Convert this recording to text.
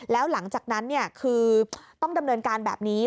แล้วหลังจากนั้นคือต้องดำเนินการแบบนี้